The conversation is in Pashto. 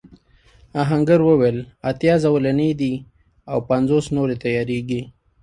آهنګر وویل اتيا زولنې دي او پنځوس نورې تياریږي.